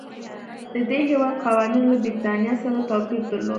د دې هېواد قوانینو له برېټانیا سره توپیر درلود.